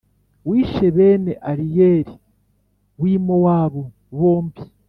wishe bene ariyeli w i mowabu bombi